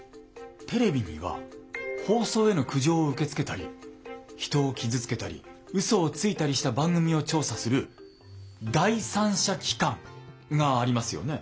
テレビには放送への苦情を受け付けたり人を傷つけたりうそをついたりした番組を調査する第三者機関がありますよね？